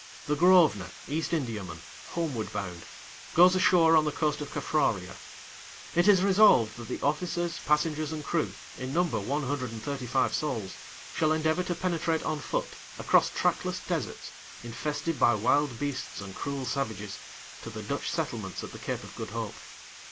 The Grosvenor, East Indiaman, homeward bound, goes ashore on the coast of Caffraria. It is resolved that the officers, passengers, and crew, in number one hundred and thirty five souls, shall endeavour to penetrate on foot, across trackless deserts, infested by wild beasts and cruel savages, to the Dutch settlements at the Cape of Good Hope.